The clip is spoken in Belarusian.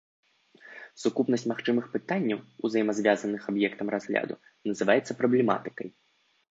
Сукупнасць магчымых пытанняў, узаемазвязаных аб'ектам разгляду, называецца праблематыкай.